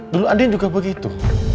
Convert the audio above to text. dulu andien juga begitu